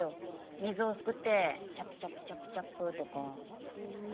水をすくって「チャプチャプチャプチャプ」とか。ふん。